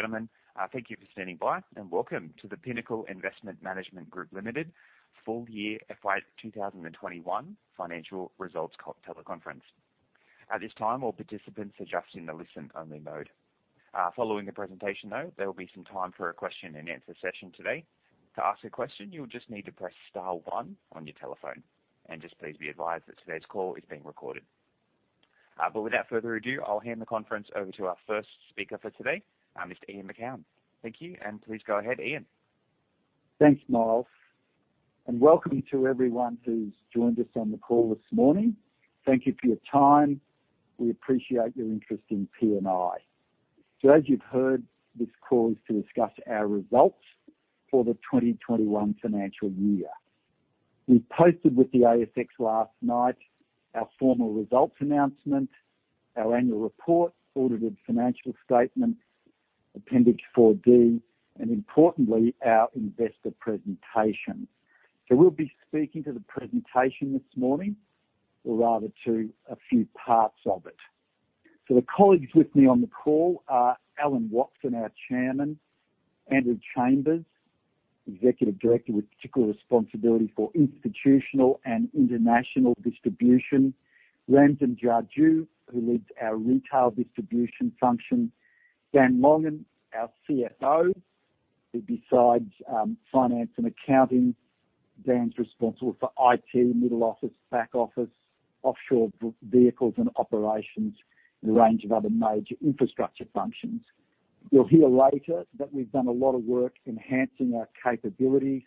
Ladies and gentlemen, thank you for standing by, and welcome to the Pinnacle Investment Management Group Limited full year FY 2021 financial results teleconference. At this time, all participants are just in the listen-only mode. Following the presentation, though, there will be some time for a question and answer session today. To ask a question, you'll just need to press star one on your telephone. Just please be advised that today's call is being recorded. Without further ado, I'll hand the conference over to our first speaker for today, Mr. Ian Macoun. Thank you, and please go ahead, Ian. Thanks, Miles. Welcome to everyone who's joined us on the call this morning. Thank you for your time. We appreciate your interest in PNI. As you've heard, this call is to discuss our results for the 2021 financial year. We posted with the ASX last night our formal results announcement, our annual report, audited financial statements, Appendix 4D, and importantly, our investor presentation. We'll be speaking to the presentation this morning or rather to a few parts of it. The colleagues with me on the call are Alan Watson, our Chairman; Andrew Chambers, Executive Director with particular responsibility for institutional and international distribution; Ramsin Jajoo, who leads our retail distribution function; Dan Longan, our CFO, who besides finance and accounting, Dan's responsible for IT, middle office, back office, offshore vehicles and operations, and a range of other major infrastructure functions. You'll hear later that we've done a lot of work enhancing our capabilities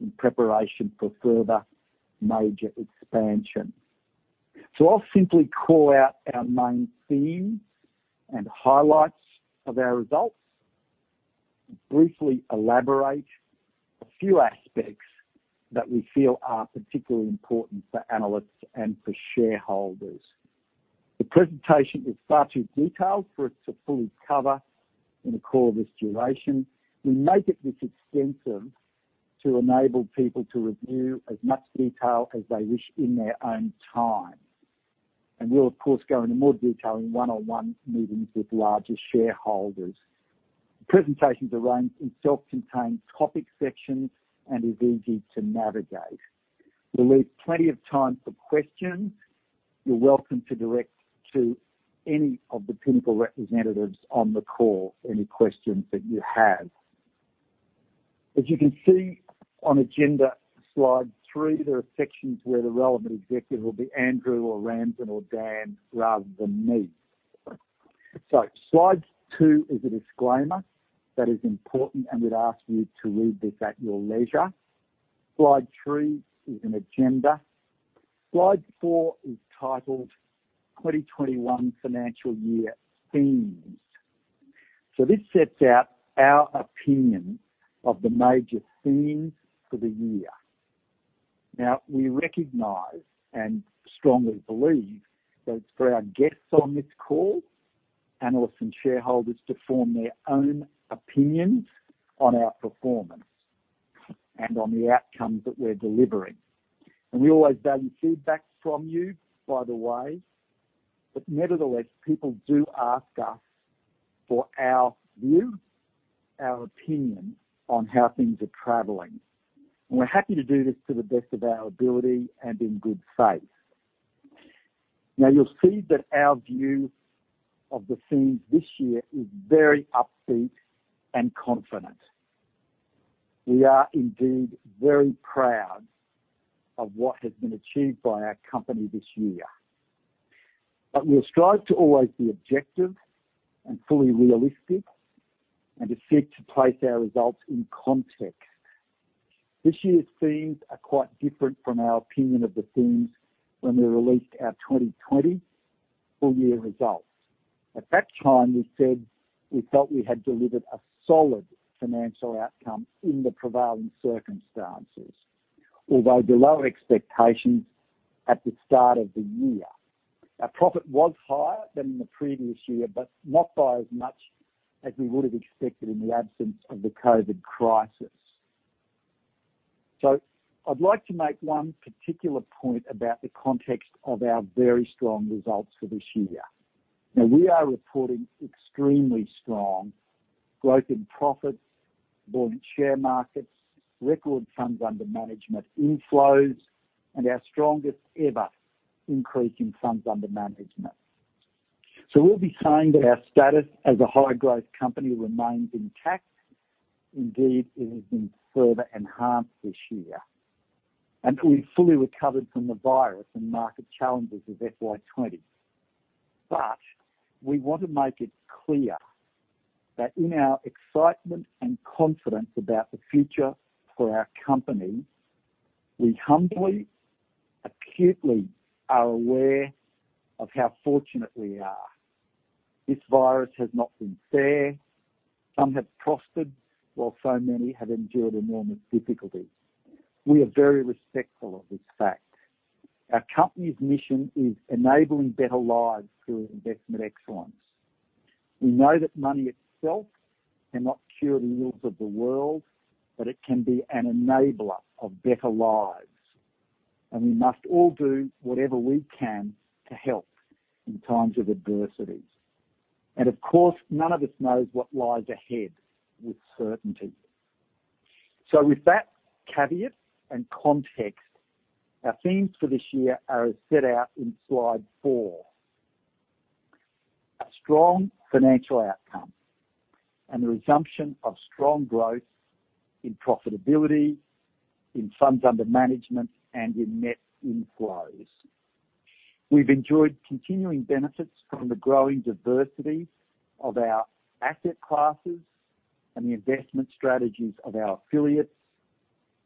in preparation for further major expansion. I'll simply call out our main themes and highlights of our results, and briefly elaborate a few aspects that we feel are particularly important for analysts and for shareholders. The presentation is far too detailed for us to fully cover in the call of this duration. We make it this extensive to enable people to review as much detail as they wish in their own time. We'll of course, go into more detail in one-on-one meetings with larger shareholders. The presentation's arranged in self-contained topic sections and is easy to navigate. We'll leave plenty of time for questions. You're welcome to direct to any of the Pinnacle representatives on the call any questions that you have. As you can see on agenda slide three, there are sections where the relevant executive will be Andrew or Ramsin or Dan rather than me. Slide two is a disclaimer that is important and we'd ask you to read this at your leisure. Slide three is an agenda. Slide four is titled "2021 Financial Year Themes." This sets out our opinion of the major themes for the year. Now, we recognize and strongly believe that it's for our guests on this call, analysts and shareholders, to form their own opinions on our performance and on the outcomes that we're delivering. We always value feedback from you, by the way. Nevertheless, people do ask us for our view, our opinion on how things are traveling. We're happy to do this to the best of our ability and in good faith. You'll see that our view of the themes this year is very upbeat and confident. We are indeed very proud of what has been achieved by our company this year. We'll strive to always be objective and fully realistic, and to seek to place our results in context. This year's themes are quite different from our opinion of the themes when we released our 2020 full-year results. At that time, we said we felt we had delivered a solid financial outcome in the prevailing circumstances, although below expectations at the start of the year. Our profit was higher than in the previous year, but not by as much as we would have expected in the absence of the COVID crisis. I'd like to make one particular point about the context of our very strong results for this year. Now we are reporting extremely strong growth in profits, buoyant share markets, record funds under management inflows, and our strongest ever increase in funds under management. We'll be saying that our status as a high-growth company remains intact. Indeed, it has been further enhanced this year, and we've fully recovered from the virus and market challenges of FY 2020. We want to make it clear that in our excitement and confidence about the future for our company, we humbly, acutely are aware of how fortunate we are. This virus has not been fair. Some have prospered, while so many have endured enormous difficulties. We are very respectful of this fact. Our company's mission is enabling better lives through investment excellence. We know that money itself cannot cure the ills of the world, but it can be an enabler of better lives. We must all do whatever we can to help in times of adversity. Of course, none of us knows what lies ahead with certainty. With that caveat and context, our themes for this year are as set out in slide four. A strong financial outcome and the resumption of strong growth in profitability, in funds under management, and in net inflows. We've enjoyed continuing benefits from the growing diversity of our asset classes and the investment strategies of our affiliates,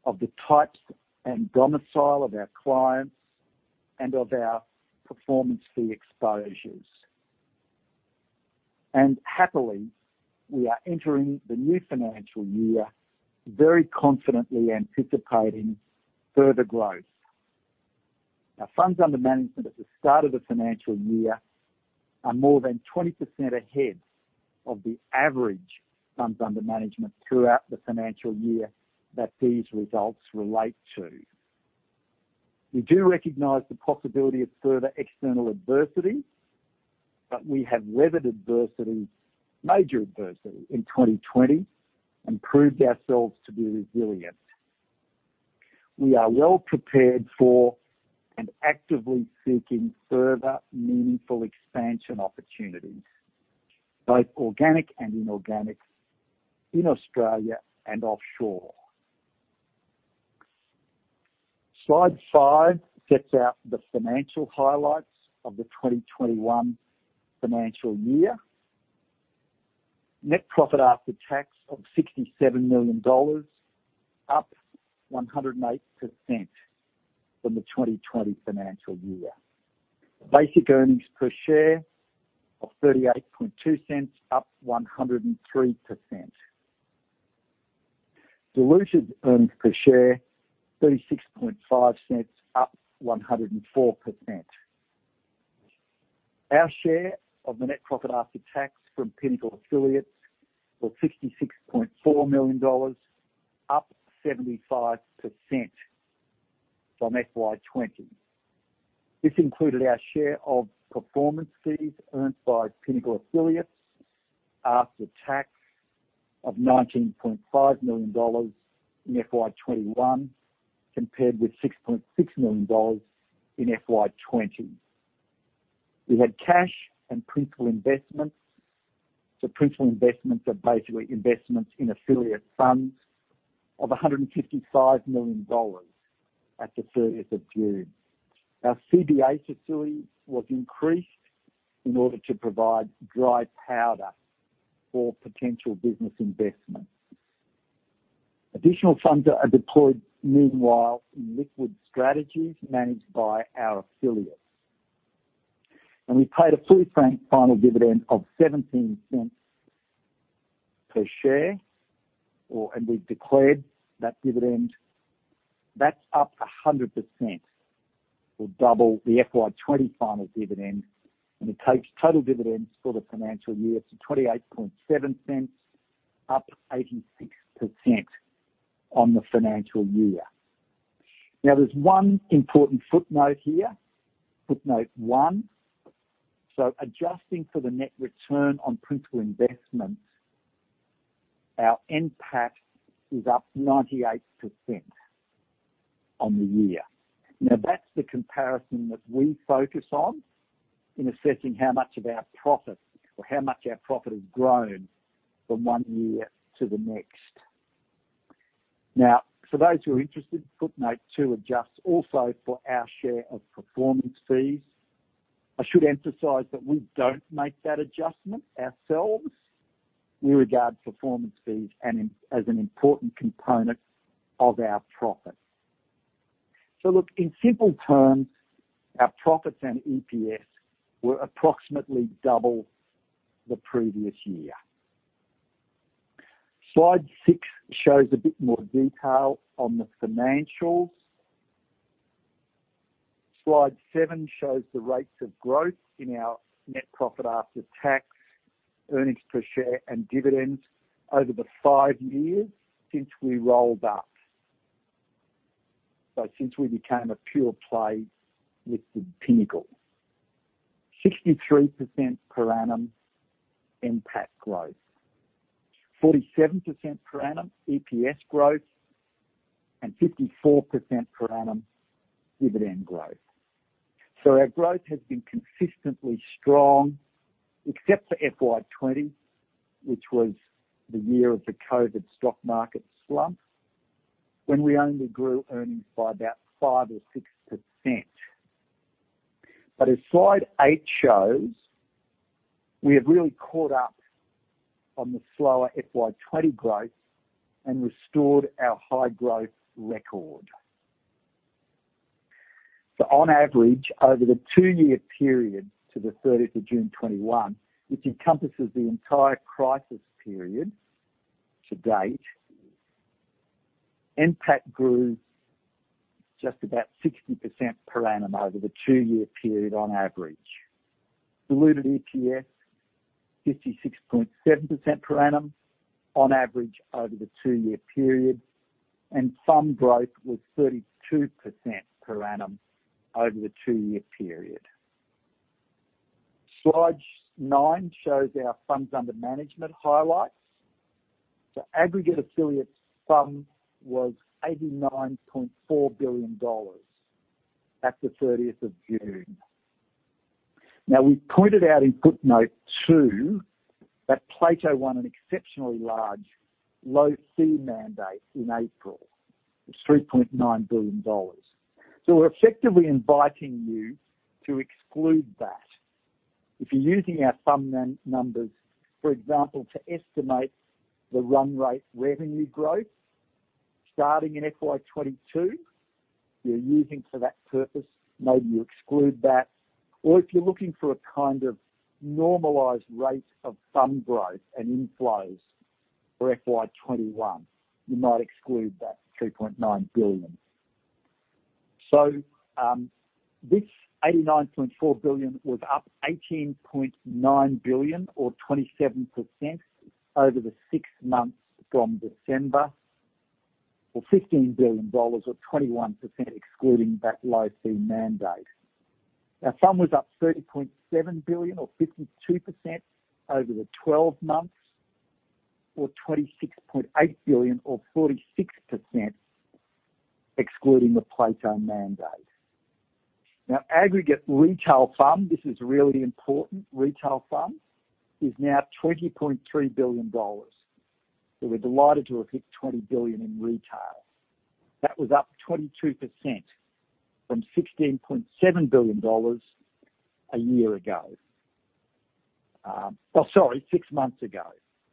of the types and domicile of our clients, and of our performance fees exposures. Happily, we are entering the new financial year very confidently anticipating further growth. Our funds under management at the start of the financial year are more than 20% ahead of the average funds under management throughout the financial year that these results relate to. We do recognize the possibility of further external adversity, but we have weathered adversity, major adversity, in 2020 and proved ourselves to be resilient. We are well prepared for and actively seeking further meaningful expansion opportunities, both organic and inorganic, in Australia and offshore. Slide five sets out the financial highlights of the 2021 financial year. Net profit after tax of 67 million dollars, up 108% from the 2020 financial year. Basic earnings per share of 0.382, up 103%. Diluted earnings per share, 0.365, up 104%. Our share of the net profit after tax from Pinnacle affiliates was 66.4 million dollars, up 75% from FY 2020. This included our share of performance fees earned by Pinnacle affiliates after tax of 19.5 million dollars in FY 2021, compared with 6.6 million dollars in FY 2020. We had cash and principal investments. Principal investments are basically investments in affiliate funds of 155 million dollars at the 30th of June. Our CBA facility was increased in order to provide dry powder for potential business investments. Additional funds are deployed meanwhile in liquid strategies managed by our affiliates. We paid a fully franked final dividend of 0.17 per share, and we've declared that dividend. That's up 100%, or double the FY 2020 final dividend, and it takes total dividends for the financial year to 0.287, up 86% on the financial year. There's one important footnote here, footnote one. Adjusting for the net return on principal investments, our NPAT is up 98% on the year. That's the comparison that we focus on in assessing how much our profit has grown from one year to the next. For those who are interested, footnote two adjusts also for our share of performance fees. I should emphasize that we don't make that adjustment ourselves. We regard performance fees as an important component of our profit. Look, in simple terms, our profits and EPS were approximately double the previous year. Slide six shows a bit more detail on the financials. Slide seven shows the rates of growth in our net profit after tax, earnings per share, and dividends over the five years since we rolled up. Since we became a pure play listed Pinnacle. 63% per annum NPAT growth, 47% per annum EPS growth, and 54% per annum dividend growth. Our growth has been consistently strong, except for FY 2020, which was the year of the COVID stock market slump, when we only grew earnings by about 5% or 6%. As slide eight shows, we have really caught up on the slower FY 2020 growth and restored our high-growth record. On average, over the two-year period to the 30th of June 2021, which encompasses the entire crisis period to date, NPAT grew just about 60% per annum over the two-year period on average. Diluted EPS 56.7% per annum on average over the two-year period, and FUM growth was 32% per annum over the two-year period. Slide nine shows our funds under management highlights. The aggregate affiliate FUM was 89.4 billion dollars at the 30th of June. Now, we pointed out in footnote two that Plato won an exceptionally large low-fee mandate in April of 3.9 billion dollars. We're effectively inviting you to exclude that. If you're using our FUM numbers, for example, to estimate the run rate revenue growth starting in FY 2022, you're using for that purpose, maybe you exclude that. If you're looking for a kind of normalized rate of FUM growth and inflows for FY 2021, you might exclude that 3.9 billion. This 89.4 billion was up 18.9 billion or 27% over the six months from December, or AUD 15 billion or 21% excluding that low-fee mandate. Our FUM was up 30.7 billion or 52% over the 12 months, or 26.8 billion or 46% excluding the Plato mandate. Aggregate retail FUM, this is really important, retail FUM, is now 20.3 billion dollars. We're delighted to have hit 20 billion in retail. That was up 22% from 16.7 billion dollars a year ago. Oh, sorry, six months ago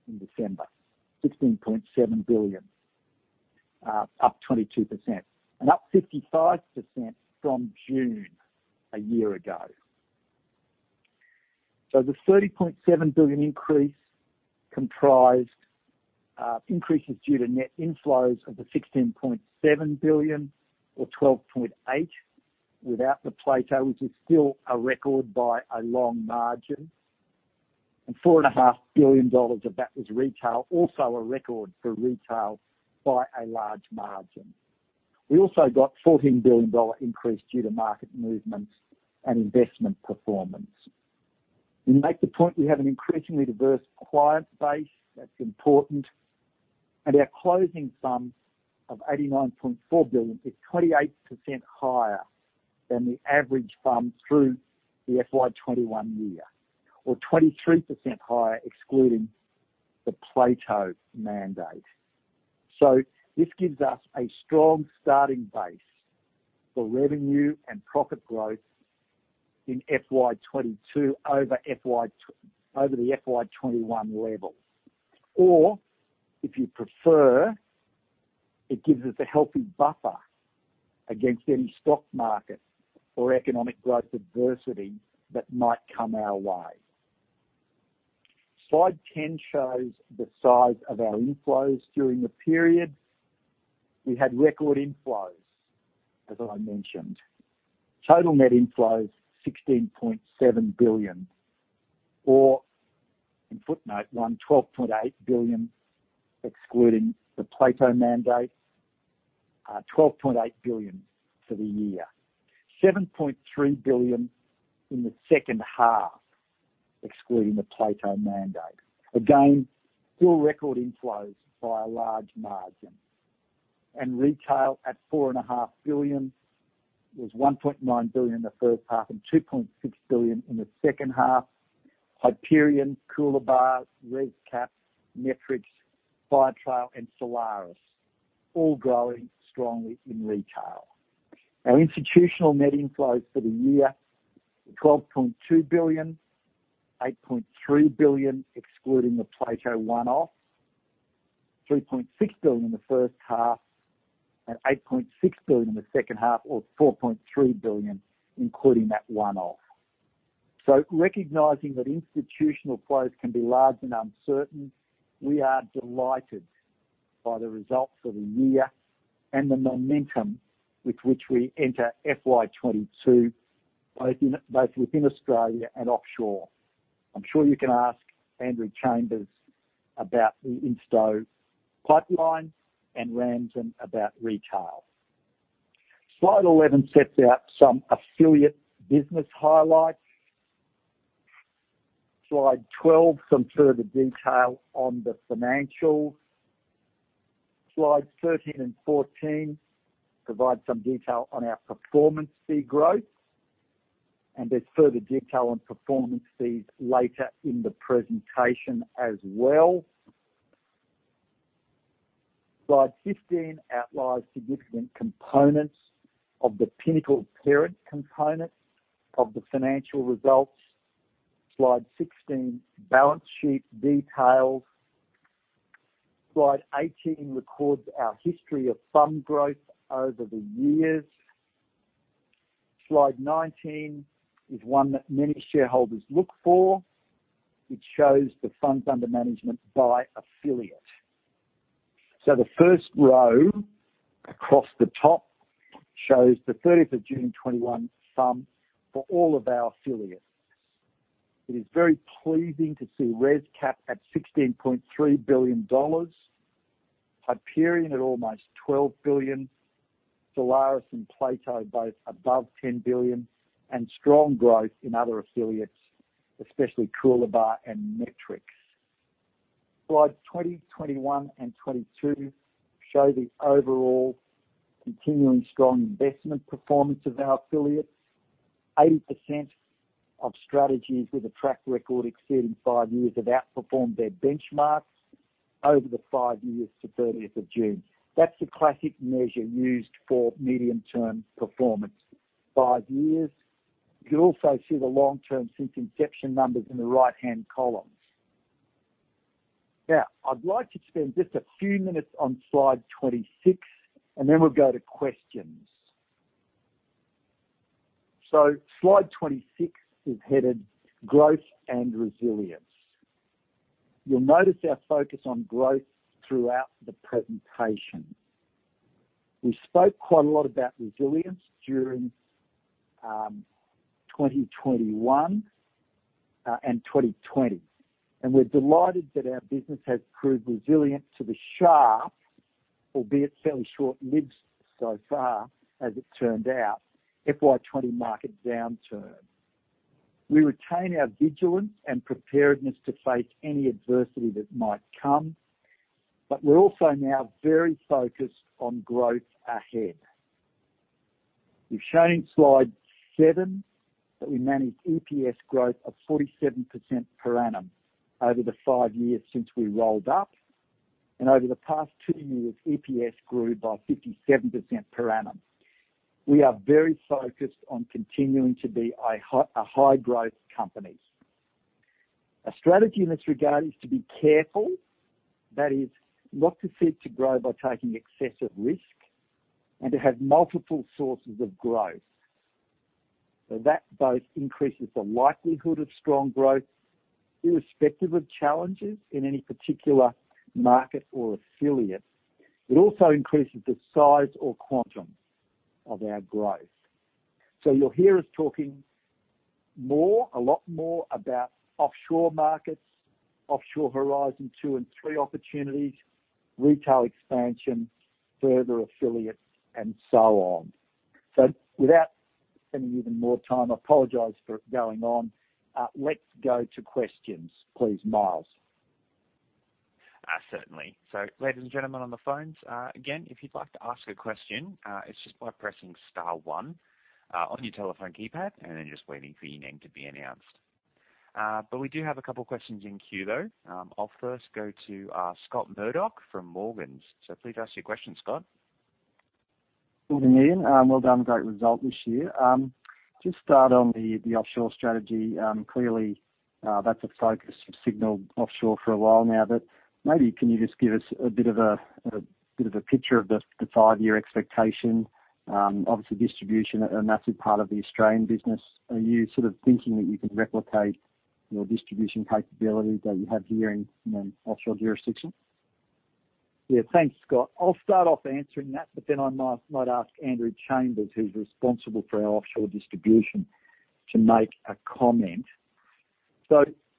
in December, 16.7 billion, up 22%, and up 55% from June a year ago. The AUD 30.7 billion increase comprised increases due to net inflows of the 16.7 billion or 12.8 without the Plato, which is still a record by a long margin. 4.5 billion dollars of that was retail, also a record for retail by a large margin. We also got a 14 billion dollar increase due to market movements and investment performance. We make the point we have an increasingly diverse client base, that's important. Our closing FUM of 89.4 billion is 28% higher than the average FUM through the FY 2021 year or 23% higher excluding the Plato mandate. This gives us a strong starting base for revenue and profit growth in FY 2022 over the FY 2021 level. Or if you prefer, it gives us a healthy buffer against any stock market or economic growth adversity that might come our way. Slide 10 shows the size of our inflows during the period. We had record inflows, as I mentioned. Total net inflows, 16.7 billion, or in footnote one, 12.8 billion excluding the Plato mandate. 12.8 billion for the year. 7.3 billion in the second half, excluding the Plato mandate. Again, still record inflows by a large margin. Retail at 4.5 billion was 1.9 billion in the first half and 2.6 billion in the second half. Hyperion, Coolabah, ResCap, Metrics, Firetrail, and Solaris all growing strongly in retail. Our institutional net inflows for the year, 12.2 billion, 8.3 billion excluding the Plato one-off, 3.6 billion in the first half and 8.6 billion in the second half, or 4.3 billion, including that one-off. Recognizing that institutional flows can be large and uncertain, we are delighted by the results for the year and the momentum with which we enter FY 2022, both within Australia and offshore. I'm sure you can ask Andrew Chambers about the insto pipeline and Ramsin about retail. Slide 11 sets out some affiliate business highlights. Slide 12, some further detail on the financials. Slides 13 and 14 provide some detail on our performance fee growth, and there's further detail on performance fees later in the presentation as well. Slide 15 outlines significant components of the Pinnacle Parent component of the financial results. Slide 16, balance sheet details. Slide 18 records our history of FUM growth over the years. Slide 19 is one that many shareholders look for, which shows the funds under management by affiliate. The first row across the top shows the 30th of June 2021 sum for all of our affiliates. It is very pleasing to see ResCap at 16.3 billion dollars, Hyperion at almost 12 billion, Solaris and Plato both above 10 billion, and strong growth in other affiliates, especially Coolabah and Metrics. Slides 20, 21, and 22 show the overall continuing strong investment performance of our affiliates. 80% of strategies with a track record exceeding five years have outperformed their benchmarks over the five years to 30th of June. That's a classic measure used for medium-term performance, five years. You'll also see the long-term since inception numbers in the right-hand column. Now, I'd like to spend just a few minutes on slide 26, and then we'll go to questions. Slide 26 is headed growth and resilience. You'll notice our focus on growth throughout the presentation. We spoke quite a lot about resilience during 2021 and 2020, and we're delighted that our business has proved resilient to the sharp, albeit fairly short-lived so far as it turned out, FY 2020 market downturn. We retain our vigilance and preparedness to face any adversity that might come, but we're also now very focused on growth ahead. We've shown in slide seven that we managed EPS growth of 47% per annum over the five years since we rolled up. Over the past two years, EPS grew by 57% per annum. We are very focused on continuing to be a high growth company. Our strategy in this regard is to be careful, that is not to seek to grow by taking excessive risk and to have multiple sources of growth. That both increases the likelihood of strong growth irrespective of challenges in any particular market or affiliate. It also increases the size or quantum of our growth. You'll hear us talking more, a lot more about offshore markets, offshore Horizon 2 and 3 opportunities, retail expansion, further affiliates, and so on. Without spending even more time, I apologize for going on. Let's go to questions, please, Miles. Certainly. Ladies and gentlemen on the phones, again, if you'd like to ask a question, it's just by pressing star one on your telephone keypad and then just waiting for your name to be announced. We do have a couple of questions in queue, though. I'll first go to Scott Murdoch from Morgans. Please ask your question, Scott. Good evening. Well done. Great result this year. Just start on the offshore strategy. Clearly, that's a focus you've signaled offshore for a while now. Maybe can you just give us a bit of a picture of the five-year expectation? Obviously, distribution, a massive part of the Australian business. Are you thinking that you can replicate your distribution capability that you have here in offshore jurisdictions? Thanks, Scott. I'll start off answering that, but then I might ask Andrew Chambers, who's responsible for our offshore distribution, to make a comment.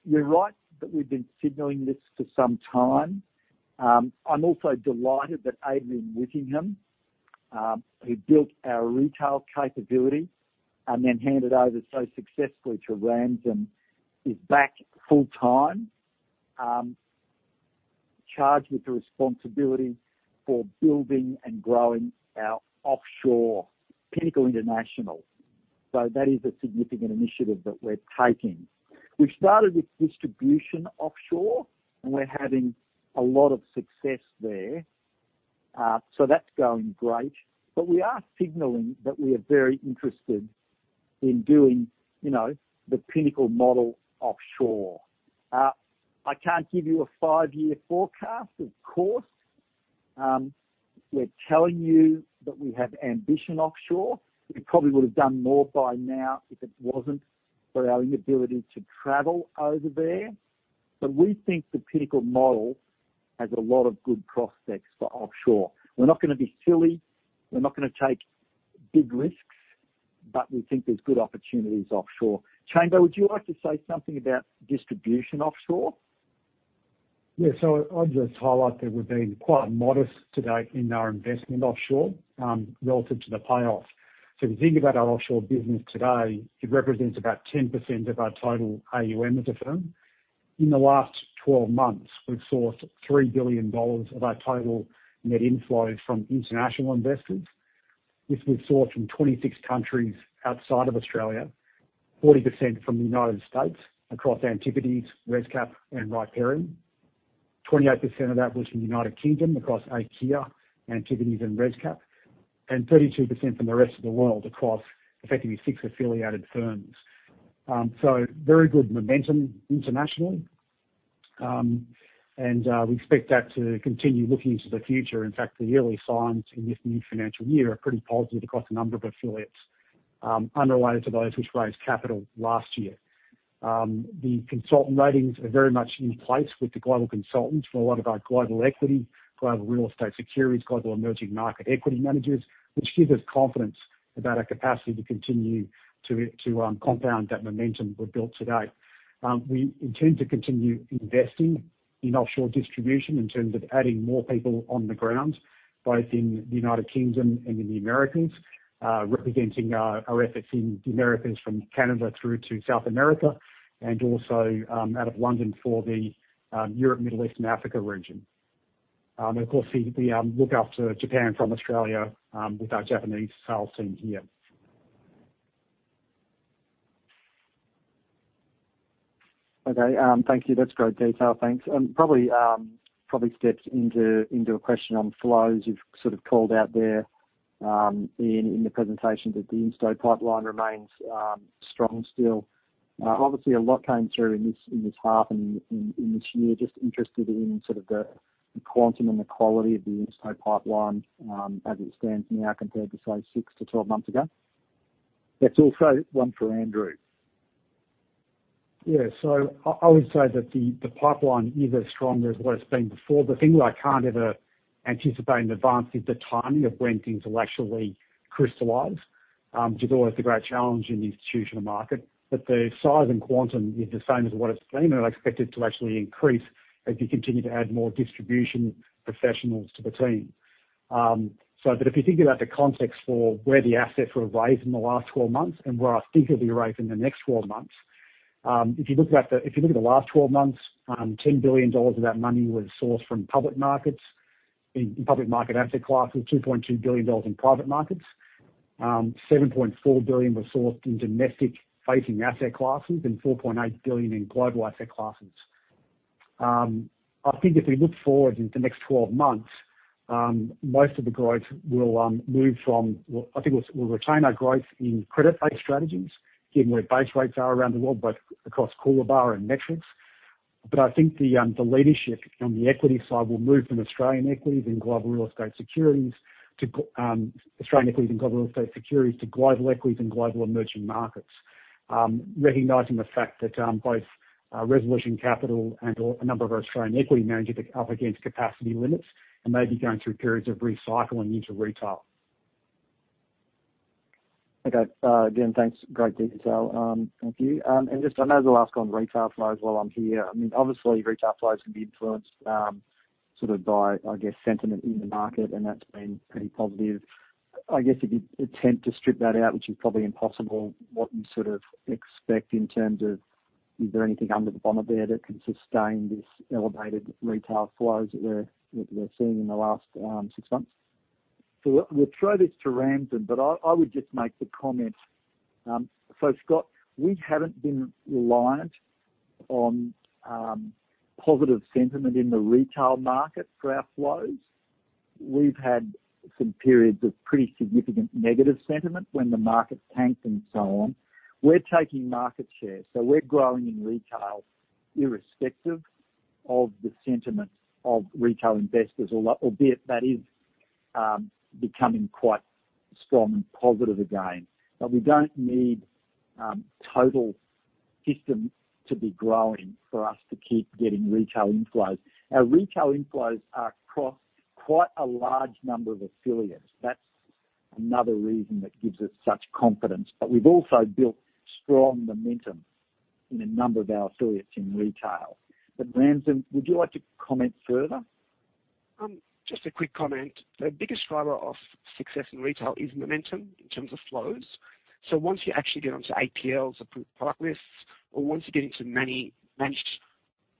You're right that we've been signaling this for some time. I'm also delighted that Adrian Whittingham, who built our retail capability and then handed over so successfully to Ramsin, is back full time, charged with the responsibility for building and growing our offshore Pinnacle International. That is a significant initiative that we're taking. We started with distribution offshore, and we're having a lot of success there. That's going great. We are signaling that we are very interested in doing the Pinnacle model offshore. I can't give you a five-year forecast, of course. We're telling you that we have ambition offshore. We probably would have done more by now if it wasn't for our inability to travel over there. We think the Pinnacle model has a lot of good prospects for offshore. We're not going to be silly. We're not going to take big risks, but we think there's good opportunities offshore. Chambers, would you like to say something about distribution offshore? I'd just highlight that we've been quite modest today in our investment offshore, relative to the payoff. If you think about our offshore business today, it represents about 10% of our total AUM as a firm. In the last 12 months, we've sourced 3 billion dollars of our total net inflows from international investors, which we've sought from 26 countries outside of Australia, 40% from the U.S. across Antipodes, ResCap, and Hyperion. 28% of that was from U.K. across Aikya, Antipodes, and ResCap, and 32% from the rest of the world across effectively six affiliated firms. Very good momentum internationally, and we expect that to continue looking into the future. In fact, the early signs in this new financial year are pretty positive across a number of affiliates underlying to those which raised capital last year. The consultant ratings are very much in place with the global consultants for a lot of our global equity, global real estate securities, global emerging market equity managers, which gives us confidence about our capacity to continue to compound that momentum we've built to date. We intend to continue investing in offshore distribution in terms of adding more people on the ground, both in the U.K. and in the Americas, representing our efforts in the Americas from Canada through to South America, and also out of London for the Europe, Middle East, and Africa region. Of course, we look after Japan from Australia with our Japanese sales team here. Okay. Thank you. That's great detail. Thanks. Probably steps into a question on flows. You've sort of called out there in the presentation that the insto pipeline remains strong still. Obviously, a lot came through in this half and in this year. Just interested in sort of the quantum and the quality of the insto pipeline, as it stands now compared to, say, 6-12 months ago. That's also one for Andrew. Yeah. I would say that the pipeline is as strong as what it's been before. The thing that I can't ever anticipate in advance is the timing of when things will actually crystallize, which is always the great challenge in the institutional market. The size and quantum is the same as what it's been, and I expect it to actually increase as we continue to add more distribution professionals to the team. If you think about the context for where the assets were raised in the last 12 months and where I think it'll be raised in the next 12 months, if you look at the last 12 months, 10 billion dollars of that money was sourced from public markets, in public market asset classes, 2.2 billion dollars in private markets. 7.4 billion was sourced in domestic-facing asset classes and 4.8 billion in global asset classes. I think if we look forward into the next 12 months, Well, I think we'll retain our growth in credit-based strategies, given where base rates are around the world, both across Coolabah and Nexus. The leadership on the equity side will move from Australian equities and global real estate securities to global equities and global emerging markets, recognizing the fact that both Resolution Capital and a number of our Australian equity managers are up against capacity limits and may be going through periods of recycling into retail. Okay. Ian, thanks. Great detail. Thank you. Just, I know the last on retail flows while I'm here. Obviously, retail flows can be influenced by, I guess, sentiment in the market, and that's been pretty positive. I guess if you attempt to strip that out, which is probably impossible, what you sort of expect in terms of, is there anything under the bonnet there that can sustain this elevated retail flows that we're seeing in the last six months? We'll throw this to Ramsin, I would just make the comment. Scott, we haven't been reliant on positive sentiment in the retail market for our flows. We've had some periods of pretty significant negative sentiment when the market's tanked and so on. We're taking market share, we're growing in retail irrespective of the sentiment of retail investors, albeit that is becoming quite strong and positive again. We don't need total system to be growing for us to keep getting retail inflows. Our retail inflows are across quite a large number of affiliates. That's another reason that gives us such confidence. We've also built strong momentum in a number of our affiliates in retail. Ramsin, would you like to comment further? Just a quick comment. The biggest driver of success in retail is momentum in terms of flows. Once you actually get onto APLs, Approved Product Lists, or once you get into many managed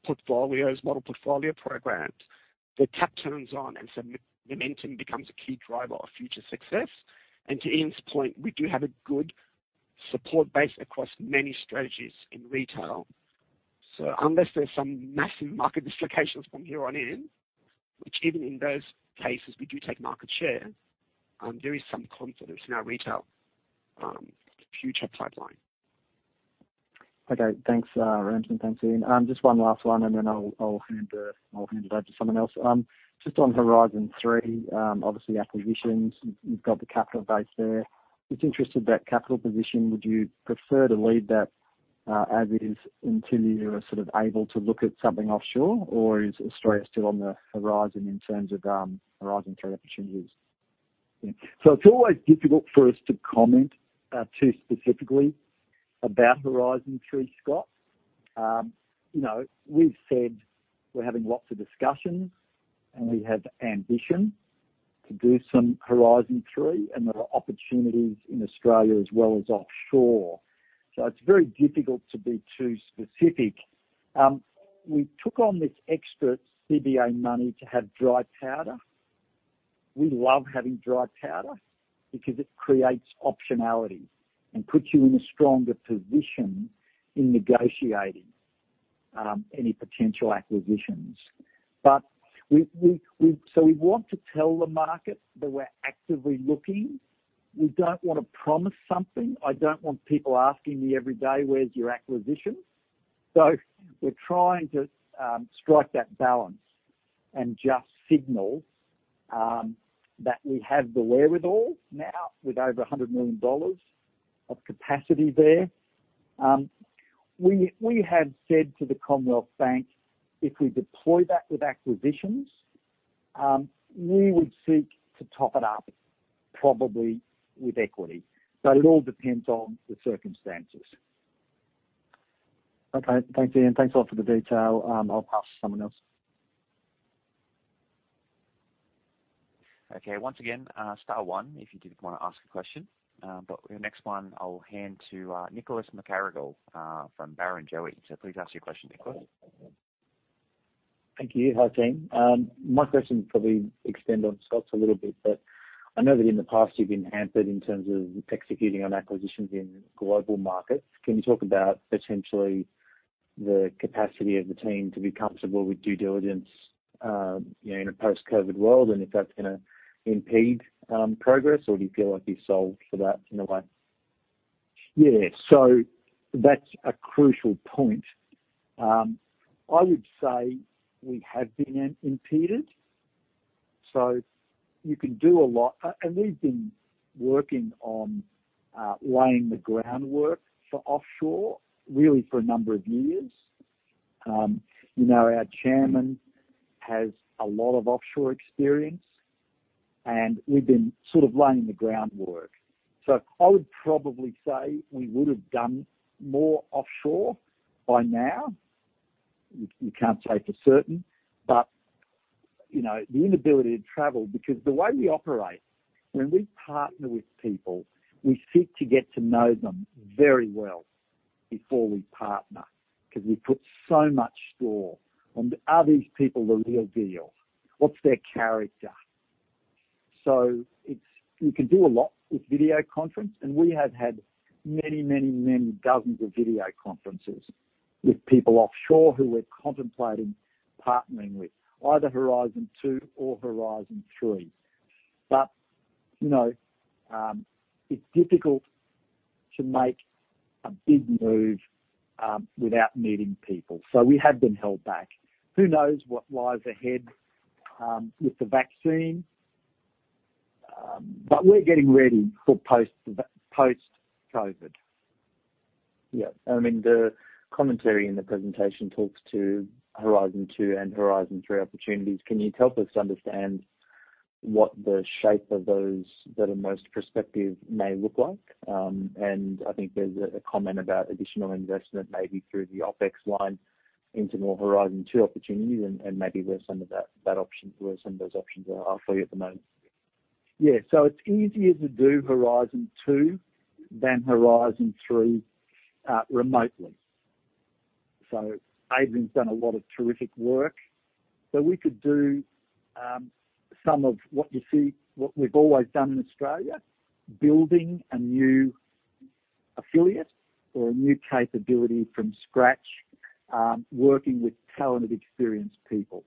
portfolios, model portfolio programs, the tap turns on, momentum becomes a key driver of future success. To Ian's point, we do have a good support base across many strategies in retail. Unless there's some massive market dislocations from here on in, which even in those cases, we do take market share, there is some confidence in our retail future pipeline. Okay. Thanks, Ramsin. Thanks, Ian. Just one last one, I'll hand it over to someone else. Just on Horizon 3, obviously acquisitions, you've got the capital base there. Just interested that capital position, would you prefer to leave that as it is until you're sort of able to look at something offshore? Is Australia still on the horizon in terms of Horizon 3 opportunities? Yeah. It's always difficult for us to comment too specifically about Horizon 3, Scott. We've said we're having lots of discussions and we have ambition to do some Horizon 3 and there are opportunities in Australia as well as offshore. It's very difficult to be too specific. We took on this extra CBA money to have dry powder. We love having dry powder because it creates optionality and puts you in a stronger position in negotiating any potential acquisitions. We want to tell the market that we're actively looking. We don't want to promise something. I don't want people asking me every day, "Where's your acquisition?" We're trying to strike that balance and just signal that we have the wherewithal now with over 100 million dollars of capacity there. We have said to the Commonwealth Bank, if we deploy that with acquisitions, we would seek to top it up probably with equity. It all depends on the circumstances. Okay. Thanks, Ian. Thanks a lot for the detail. I'll pass to someone else. Okay. Once again, star one if you did want to ask a question. The next one I'll hand to Nicholas McGarrigle from Barrenjoey. Please ask your question, Nicholas. Thank you. Hi, team. My question will probably extend on Scott's a little bit. I know that in the past you've been hampered in terms of executing on acquisitions in global markets. Can you talk about potentially the capacity of the team to be comfortable with due diligence in a post-COVID world and if that's going to impede progress, or do you feel like you've solved for that in a way? Yeah. That's a crucial point. I would say we have been impeded. You can do a lot. We've been working on laying the groundwork for offshore, really for a number of years. Our Chairman has a lot of offshore experience, and we've been sort of laying the groundwork. I would probably say we would've done more offshore by now. You can't say for certain, but the inability to travel, because the way we operate, when we partner with people, we seek to get to know them very well before we partner, because we put so much store on, are these people the real deal? What's their character? You can do a lot with video conference, and we have had many, many, many dozens of video conferences with people offshore who we're contemplating partnering with, either Horizon 2 or Horizon 3. It's difficult to make a big move without meeting people. We have been held back. Who knows what lies ahead with the vaccine. We're getting ready for post-COVID. Yeah. The commentary in the presentation talks to Horizon 2 and Horizon 3 opportunities. Can you help us understand what the shape of those that are most prospective may look like? I think there's a comment about additional investment maybe through the OpEx line into more Horizon 2 opportunities and maybe where some of those options are for you at the moment. Yeah. It's easier to do Horizon 2 than Horizon 3 remotely. Adrian's done a lot of terrific work, but we could do some of what you see, what we've always done in Australia, building a new affiliate or a new capability from scratch, working with talented, experienced people.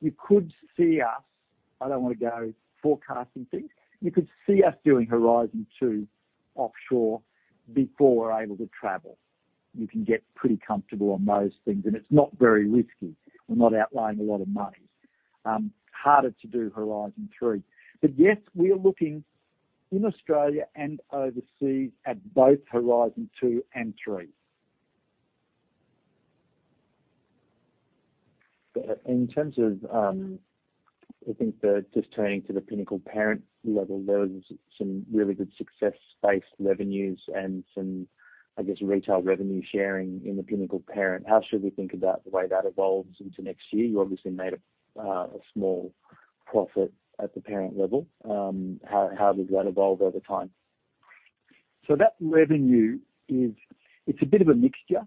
You could see us, I don't want to go forecasting things. You could see us doing Horizon 2 offshore before we're able to travel. You can get pretty comfortable on those things, and it's not very risky. We're not outlying a lot of money. Harder to do Horizon 3. Yes, we are looking in Australia and overseas at both Horizon 2 and 3. In terms of, I think, just turning to the Pinnacle Parent level, there was some really good success-based revenues and some, I guess, retail revenue sharing in the Pinnacle Parent. How should we think about the way that evolves into next year? You obviously made a small profit at the parent level. How does that evolve over time? That revenue is a bit of a mixture.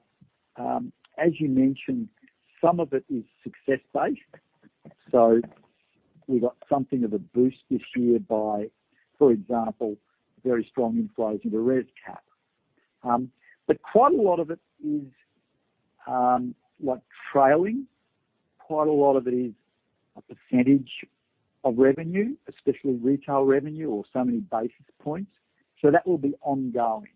As you mentioned, some of it is success-based. We got something of a boost this year by, for example, very strong inflows into ResCap. Quite a lot of it is trailing. Quite a lot of it is a percentage of revenue, especially retail revenue or so many basis points. That will be ongoing.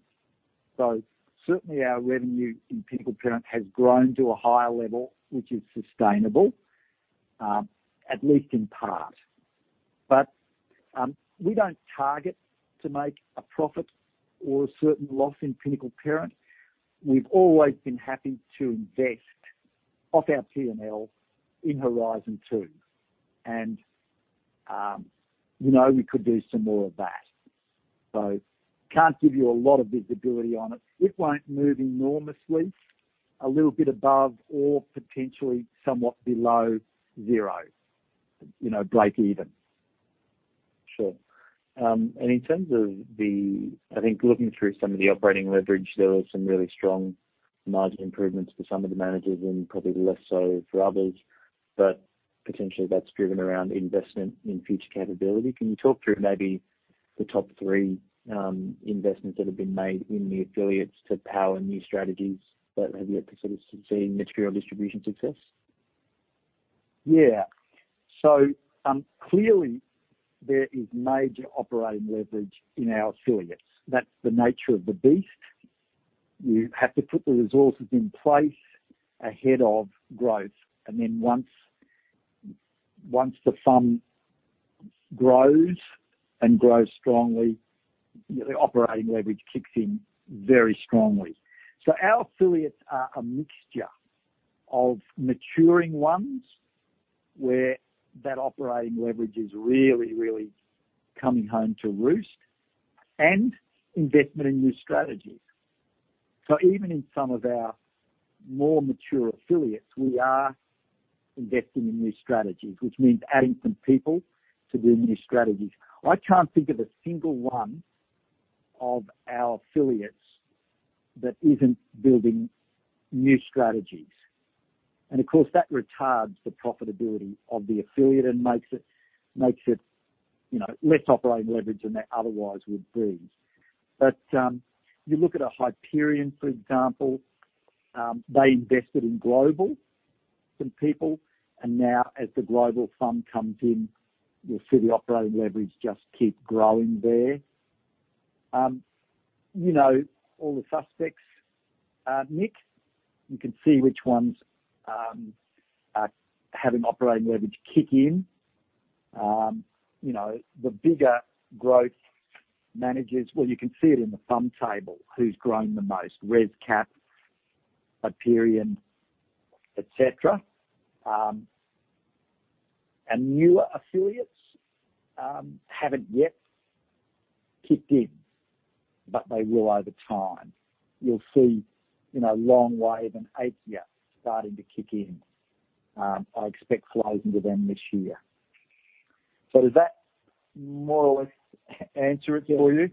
Certainly, our revenue in Pinnacle Parent has grown to a higher level, which is sustainable, at least in part. We don't target to make a profit or a certain loss in Pinnacle Parent. We've always been happy to invest off our P&L in Horizon 2 and we could do some more of that. Can't give you a lot of visibility on it. It won't move enormously a little bit above or potentially somewhat below zero, breakeven. Sure. In terms of I think looking through some of the operating leverage, there was some really strong margin improvements for some of the managers and probably less so for others, but potentially that's driven around investment in future capability. Can you talk through maybe the top three investments that have been made in the affiliates to power new strategies that have yet to sort of see material distribution success? Yeah. Clearly there is major operating leverage in our affiliates. That's the nature of the beast. You have to put the resources in place ahead of growth. Once the fund grows and grows strongly, the operating leverage kicks in very strongly. Our affiliates are a mixture of maturing ones, where that operating leverage is really coming home to roost, and investment in new strategies. Even in some of our more mature affiliates, we are investing in new strategies, which means adding some people to build new strategies. I can't think of a single one of our affiliates that isn't building new strategies. Of course, that retards the profitability of the affiliate and makes it less operating leverage than there otherwise would be. You look at a Hyperion, for example, they invested in global, some people, and now as the global fund comes in, you'll see the operating leverage just keep growing there. All the suspects, Nick, you can see which ones are having operating leverage kick in. The bigger growth managers, well, you can see it in the fund table, who's grown the most, ResCap, Hyperion, et cetera. Newer affiliates haven't yet kicked in, but they will over time. You'll see Longwave and Aikya starting to kick in. I expect flows into them this year. Does that more or less answer it for you?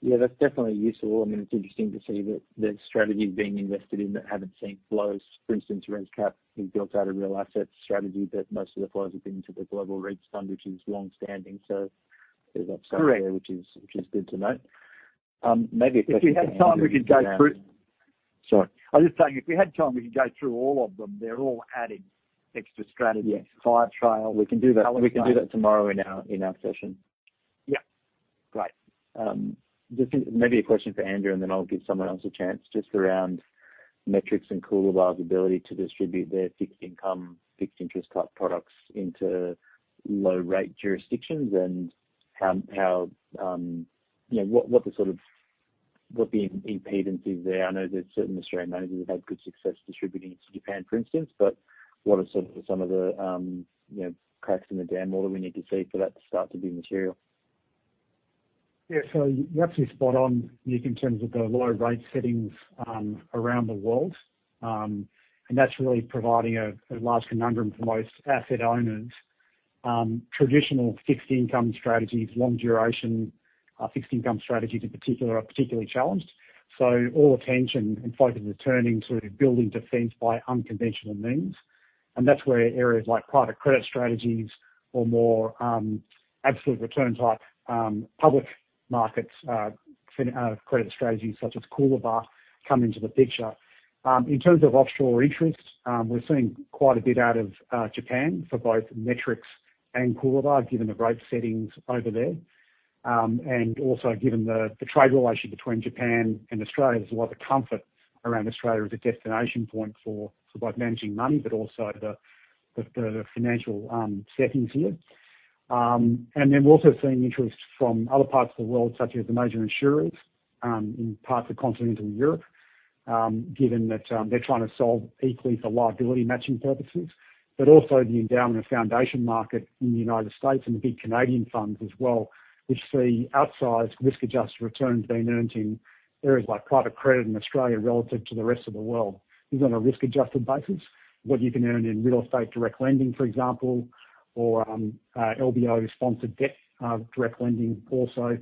Yeah, that's definitely useful. It's interesting to see that there's strategies being invested in that haven't seen flows. For instance, ResCap, who built out a real asset strategy that most of the flows have been to the global REITs fund, which is longstanding. There's upside- Correct. There, which is good to note. Maybe a question for Andrew. Sorry. I was just saying, if we had time, we could go through all of them. They are all adding extra strategy. Yeah. Firetrail. We can do that tomorrow in our session. Yeah. Great. This is maybe a question for Andrew, and then I'll give one else a chance, just around Metrics and Coolabah's ability to distribute their fixed income, fixed interest type products into low-rate jurisdictions, and what the impedance is there. I know that certain Australian managers have had good success distributing it to Japan, for instance. What are some of the cracks in the dam wall that we need to see for that to start to be material? Yeah. You're absolutely spot on, Nick, in terms of the low rate settings around the world. That's really providing a large conundrum for most asset owners. Traditional fixed income strategies, long duration fixed income strategies in particular, are particularly challenged. All attention and focus is turning to building defense by unconventional means. That's where areas like private credit strategies or more absolute return type public markets credit strategies such as Coolabah come into the picture. In terms of offshore interest, we're seeing quite a bit out of Japan for both Metrics and Coolabah, given the rate settings over there. Also given the trade relationship between Japan and Australia, there's a lot of comfort around Australia as a destination point for both managing money, but also the financial settings here. We're also seeing interest from other parts of the world, such as the major insurers in parts of continental Europe, given that they're trying to solve equally for liability matching purposes, but also the endowment of foundation market in the U.S. and the big Canadian funds as well, which see outsized risk-adjusted returns being earned in areas like private credit in Australia relative to the rest of the world. Even on a risk-adjusted basis, what you can earn in real estate direct lending, for example, or LBO-sponsored debt direct lending also,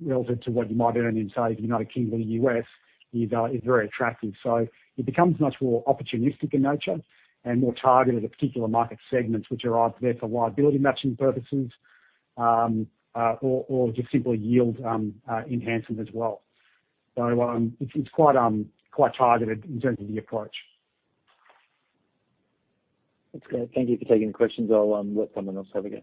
relative to what you might earn in, say, the U.K. or U.S., is very attractive. It becomes much more opportunistic in nature and more targeted at particular market segments, which are either there for liability matching purposes or just simply yield enhancements as well. It's quite targeted in terms of the approach. That's great. Thank you for taking the questions. I'll let someone else have a go.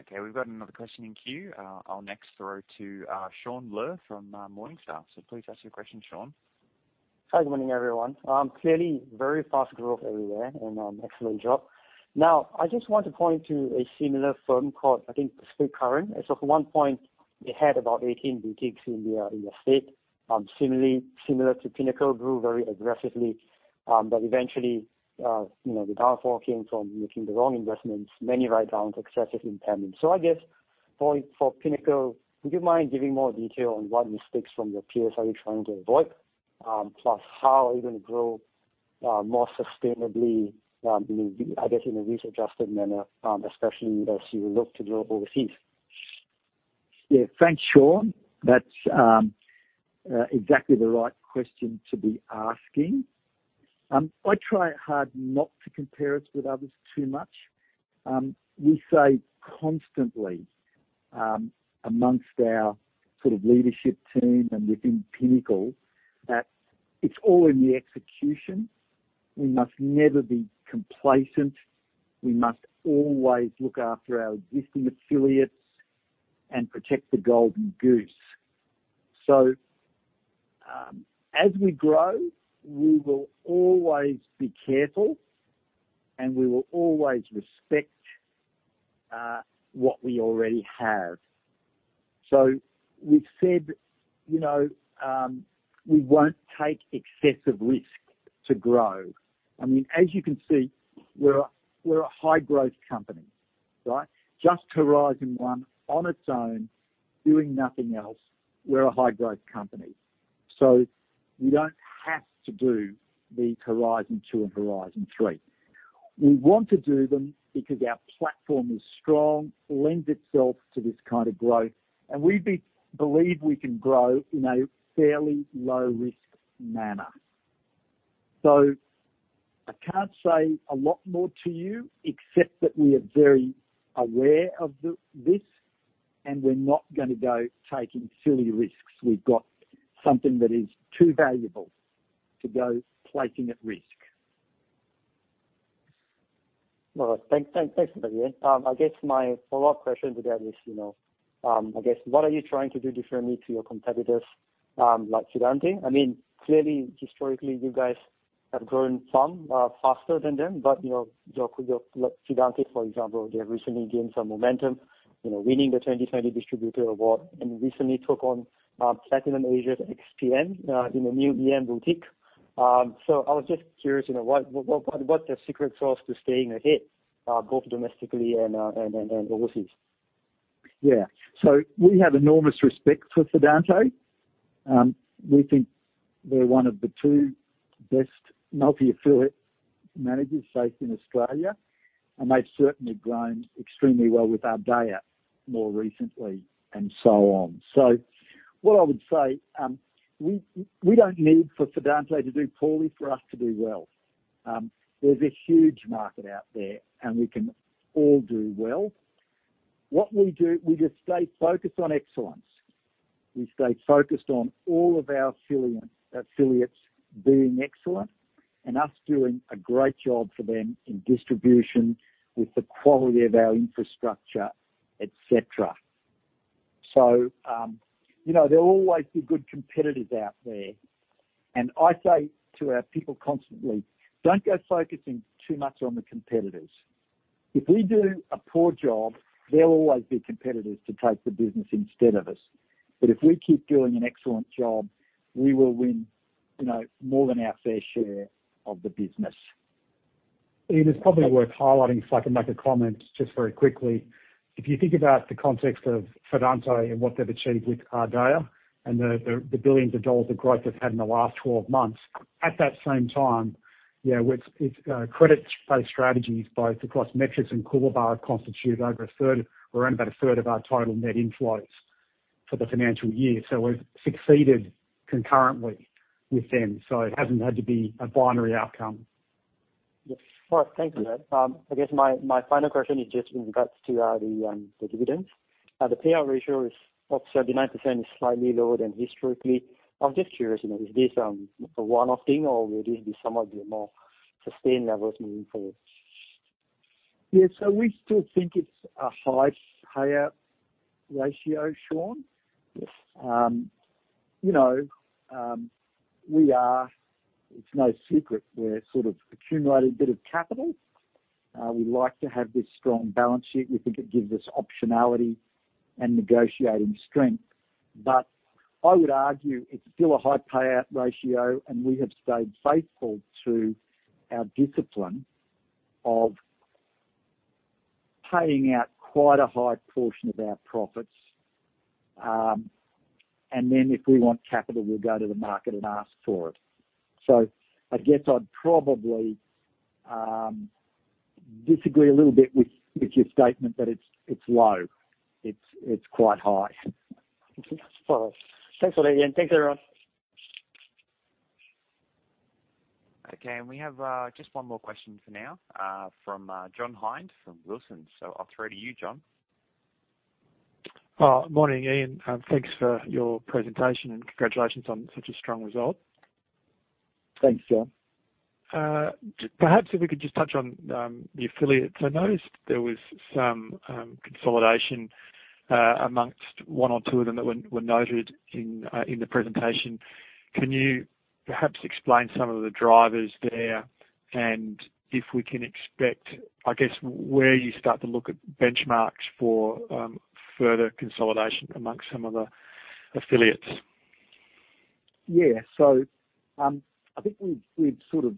Okay, we've got another question in queue. I'll next throw to Shaun Ler from Morningstar. Please ask your question, Shaun. Hi, good morning, everyone. Clearly very fast growth everywhere and excellent job. I just want to point to a similar firm called, I think Pacific Current. At one point, they had about 18 boutiques in the estate. Similar to Pinnacle, grew very aggressively, eventually, the downfall came from making the wrong investments, many write-downs, excessive impairment. I guess for Pinnacle, would you mind giving more detail on what mistakes from your peers are you trying to avoid, plus how are you going to grow more sustainably, I guess in a risk-adjusted manner, especially as you look to grow overseas? Thanks, Shaun. That's exactly the right question to be asking. I try hard not to compare us with others too much. We say constantly amongst our sort of leadership team and within Pinnacle that it's all in the execution. We must never be complacent. We must always look after our existing affiliates and protect the golden goose. As we grow, we will always be careful and we will always respect what we already have. We've said we won't take excessive risk to grow. As you can see, we're a high-growth company, right? Just Horizon 1 on its own, doing nothing else, we're a high-growth company. We don't have to do the Horizon 2 and Horizon 3. We want to do them because our platform is strong, lends itself to this kind of growth, and we believe we can grow in a fairly low-risk manner. I can't say a lot more to you except that we are very aware of the risk and we're not going to go taking silly risks. We've got something that is too valuable to go placing at risk. All right. Thanks for that, Ian. I guess my follow-up question to that is, what are you trying to do differently to your competitors, like Fidante? Clearly, historically, you guys have grown some faster than them, Fidante, for example, they've recently gained some momentum, winning the 2020 Distributor of the Year and recently took on Platinum Asia's ex-PM in a new EM boutique. I was just curious, what's their secret sauce to staying ahead, both domestically and overseas? Yeah. We have enormous respect for Fidante. We think they're one of the two best multi-affiliate managers, based in Australia, and they've certainly grown extremely well with Ardea more recently and so on. What I would say, we don't need for Fidante to do poorly for us to do well. There's a huge market out there and we can all do well. What we do, we just stay focused on excellence. We stay focused on all of our affiliates being excellent and us doing a great job for them in distribution with the quality of our infrastructure, et cetera. There'll always be good competitors out there. I say to our people constantly, "Don't go focusing too much on the competitors." If we do a poor job, there'll always be competitors to take the business instead of us. If we keep doing an excellent job, we will win more than our fair share of the business. Ian, it's probably worth highlighting, if I can make a comment just very quickly. If you think about the context of Fidante and what they've achieved with Ardea and the billions of dollars of growth they've had in the last 12 months, at that same time, with credit-based strategies both across Metrics and Coolabah constitute over 1/3 or around about 1/3 of our total net inflows for the financial year. We've succeeded concurrently with them. It hasn't had to be a binary outcome. Yes. All right. Thank you. I guess my final question is just in regards to the dividends. The payout ratio of 79% is slightly lower than historically. I am just curious, is this a one-off thing or will this be somewhat of a more sustained level going forward? Yeah. We still think it's a high payout ratio, Shaun. Yes. It's no secret we're sort of accumulating a bit of capital. We like to have this strong balance sheet. We think it gives us optionality and negotiating strength. I would argue it's still a high payout ratio and we have stayed faithful to our discipline of paying out quite a high portion of our profits. Then if we want capital, we'll go to the market and ask for it. I guess I'd probably disagree a little bit with your statement that it's low. It's quite high. Thanks for that, Ian. Thanks, everyone. Okay, we have just one more question for now from John Hynd from Wilsons. I'll throw to you, John. Morning, Ian. Thanks for your presentation and congratulations on such a strong result. Thanks, John. Perhaps if we could just touch on the affiliates. I noticed there was some consolidation amongst one or two of them that were noted in the presentation. Can you perhaps explain some of the drivers there and if we can expect, I guess, where you start to look at benchmarks for further consolidation amongst some of the affiliates? Yeah. I think we've sort of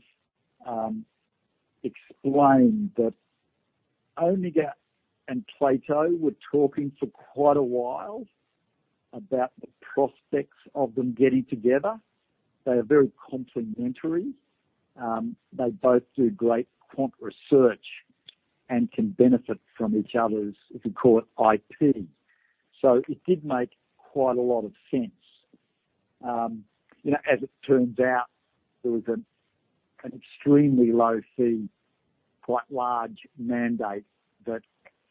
explained that Omega and Plato were talking for quite a while about the prospects of them getting together. They are very complementary. They both do great quant research and can benefit from each other's, if you call it, IP. It did make quite a lot of sense. As it turns out, there was an extremely low fee, quite large mandate that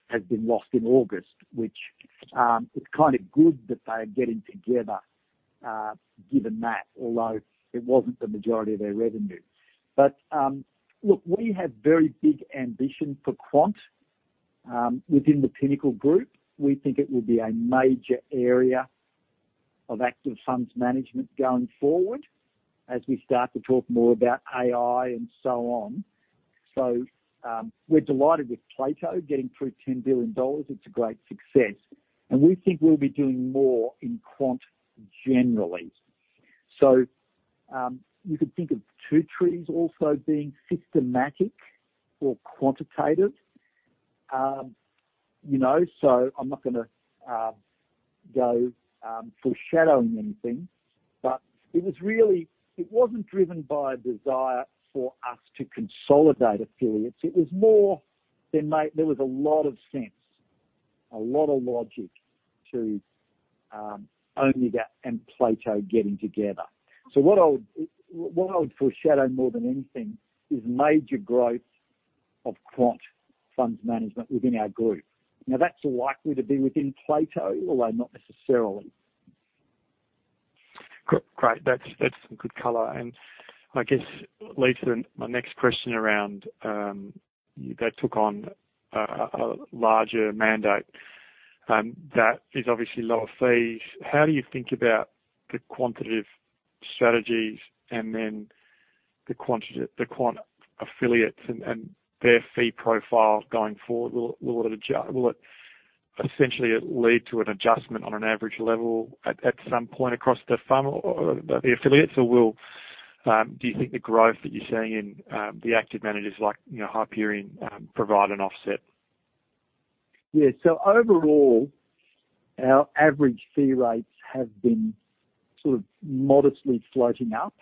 has been lost in August, which, it's kind of good that they're getting together given that, although it wasn't the majority of their revenue. Look, we have very big ambition for quant within the Pinnacle Group. We think it will be a major area of active funds management going forward as we start to talk more about AI and so on. We're delighted with Plato getting through 10 billion dollars. It's a great success, and we think we'll be doing more in quant generally. You could think of Two Trees also being systematic or quantitative. I'm not going to go foreshadowing anything, but it wasn't driven by a desire for us to consolidate affiliates. It was more there was a lot of sense, a lot of logic to Omega and Plato getting together. What I would foreshadow more than anything is major growth of quant funds management within our group. That's likely to be within Plato, although not necessarily. Great. That's some good color, I guess leads to my next question around, they took on a larger mandate, that is obviously a lot of fees. How do you think about the quantitative strategies and then the quant affiliates and their fee profile going forward? Will it essentially lead to an adjustment on an average level at some point across the affiliates? Do you think the growth that you're seeing in the active managers like Hyperion provide an offset? Yeah. Overall, our average fee rates have been modestly floating up.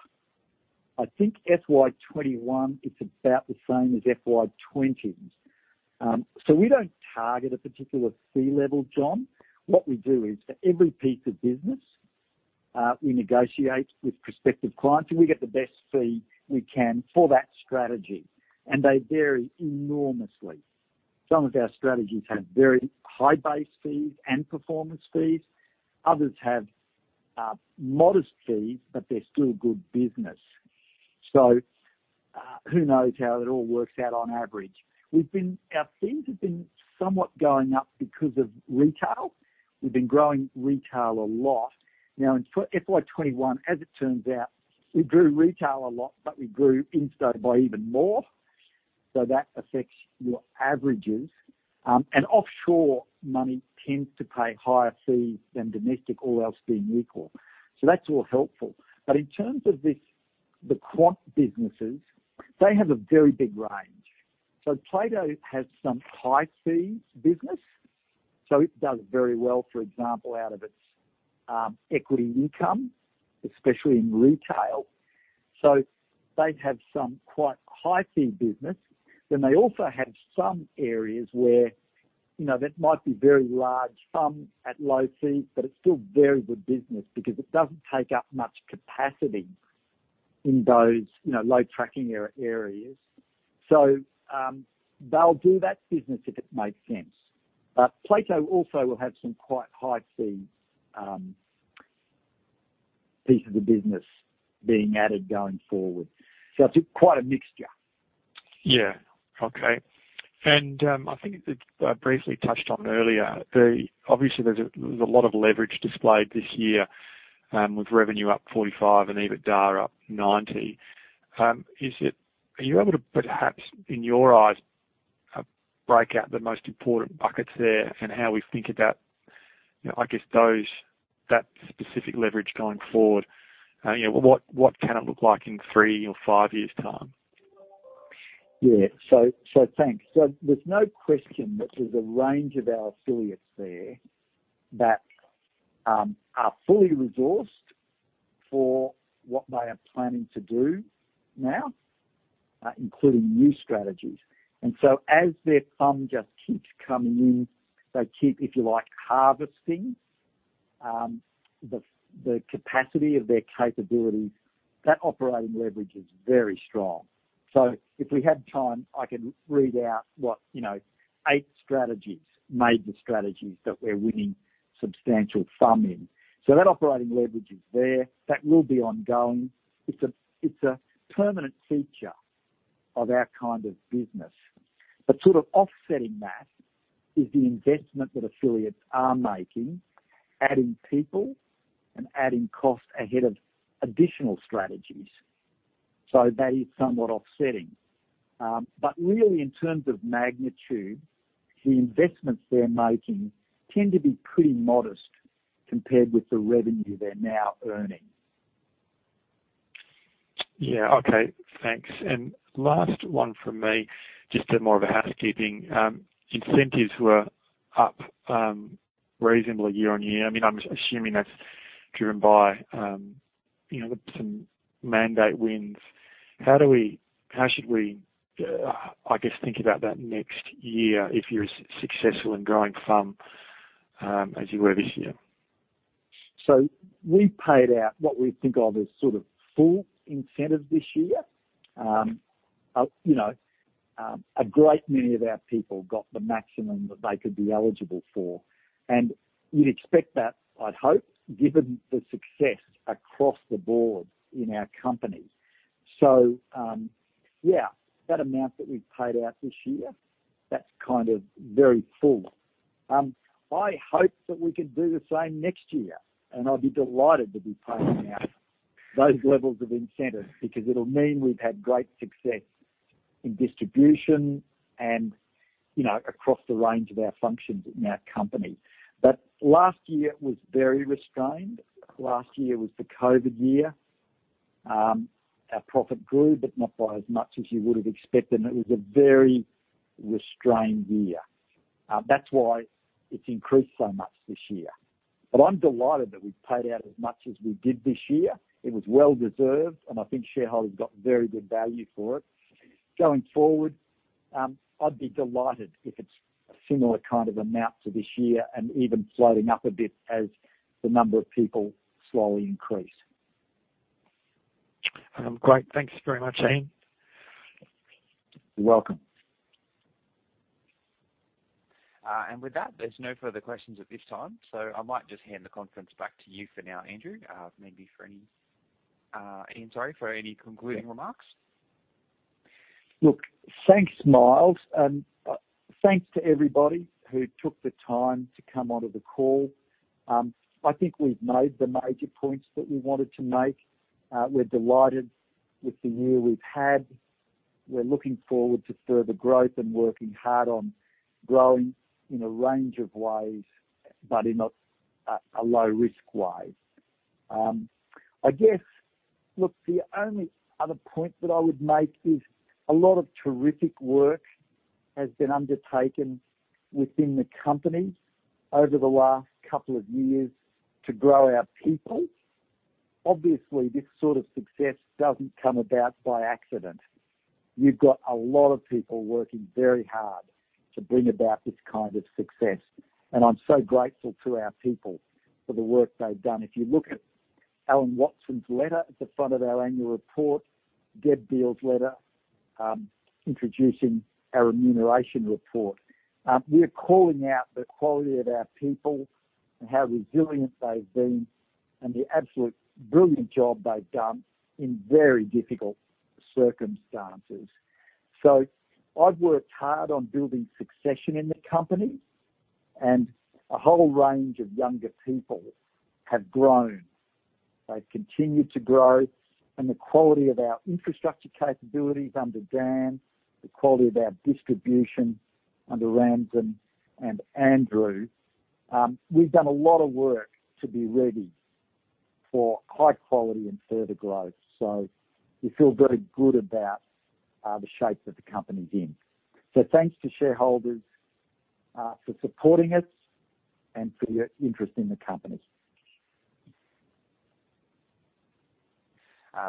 I think FY 2021 is about the same as FY 2020. We don't target a particular fee level, John. What we do is, for every piece of business, we negotiate with prospective clients, and we get the best fee we can for that strategy, and they vary enormously. Some of our strategies have very high base fees and performance fees. Others have modest fees, but they're still good business. Who knows how it all works out on average? Our fees have been somewhat going up because of retail. We've been growing retail a lot. In FY 2021, as it turns out, we grew retail a lot, but we grew insto by even more. That affects your averages. Offshore money tends to pay higher fees than domestic, all else being equal. That's all helpful. In terms of the quant businesses, they have a very big range. Plato has some high fees business. It does very well, for example, out of its equity income, especially in retail. They have some quite high fee business. They also have some areas where that might be very large FUM at low fees, but it's still very good business because it doesn't take up much capacity in those low tracking areas. They'll do that business if it makes sense. Plato also will have some quite high fees, pieces of business being added going forward. It's quite a mixture. Yeah. Okay. I think it's briefly touched on earlier, obviously there's a lot of leverage displayed this year, with revenue up 45 and EBITDA up 90. Are you able to perhaps, in your eyes, break out the most important buckets there and how we think about that specific leverage going forward? What can it look like in three or five years' time? Thanks. There's no question that there's a range of our affiliates there that are fully resourced for what they are planning to do now, including new strategies. As their FUM just keeps coming in, they keep, if you like, harvesting the capacity of their capabilities, that operating leverage is very strong. If we had time, I can read out what eight strategies, major strategies that we're winning substantial FUM in. That operating leverage is there. That will be ongoing. It's a permanent feature of our kind of business. Sort of offsetting that is the investment that affiliates are making, adding people and adding cost ahead of additional strategies. That is somewhat offsetting. Really in terms of magnitude, the investments they're making tend to be pretty modest compared with the revenue they're now earning. Yeah. Okay, thanks. Last one from me, just a more of a housekeeping. Incentives were up reasonably year-over-year. I'm assuming that's driven by some mandate wins. How should we, I guess, think about that next year if you're as successful in growing FUM as you were this year? We've paid out what we think of as sort of full incentive this year. A great many of our people got the maximum that they could be eligible for, and you'd expect that, I'd hope, given the success across the board in our company. Yeah, that amount that we've paid out this year, that's very full. I hope that we can do the same next year, and I'll be delighted to be paying out those levels of incentive because it'll mean we've had great success in distribution and across the range of our functions in our company. Last year was very restrained. Last year was the COVID year. Our profit grew, but not by as much as you would have expected, and it was a very restrained year. That's why it's increased so much this year. I'm delighted that we paid out as much as we did this year. It was well-deserved, and I think shareholders got very good value for it. Going forward, I'd be delighted if it's a similar kind of amount to this year and even floating up a bit as the number of people slowly increase. Great. Thanks very much, Ian. You're welcome. With that, there's no further questions at this time, I might just hand the conference back to you for now, Andrew, Ian, sorry, for any concluding remarks. Look, thanks, Miles, and thanks to everybody who took the time to come onto the call. I think we've made the major points that we wanted to make. We're delighted with the year we've had. We're looking forward to further growth and working hard on growing in a range of ways, but in a low-risk way. I guess, look, the only other point that I would make is a lot of terrific work has been undertaken within the company over the last couple of years to grow our people. Obviously, this sort of success doesn't come about by accident. You've got a lot of people working very hard to bring about this kind of success, and I'm so grateful to our people for the work they've done. If you look at Alan Watson's letter at the front of our annual report, Deb Beale's letter introducing our remuneration report. We are calling out the quality of our people and how resilient they've been and the absolute brilliant job they've done in very difficult circumstances. I've worked hard on building succession in the company, and a whole range of younger people have grown. They've continued to grow, and the quality of our infrastructure capabilities under Dan, the quality of our distribution under Ramsin and Andrew. We've done a lot of work to be ready for high quality and further growth, so we feel very good about the shape that the company's in. Thanks to shareholders for supporting us and for your interest in the company.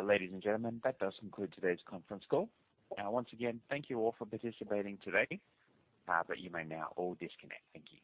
Ladies and gentlemen, that does conclude today's conference call. Once again, thank you all for participating today, but you may now all disconnect. Thank you.